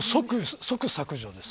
即削除です。